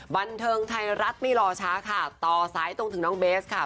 บันเทิงไทยรัฐไม่รอช้าค่ะต่อสายตรงถึงน้องเบสค่ะ